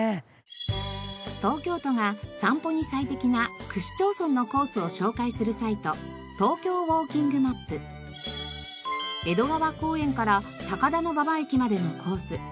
東京都が散歩に最適な区市町村のコースを紹介するサイト江戸川公園から高田馬場駅までのコース。